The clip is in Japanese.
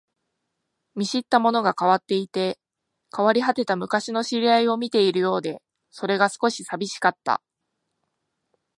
見知ったものが変わっていて、変わり果てた昔の知り合いを見ているようで、それが少し寂しかった